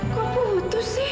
kok putus sih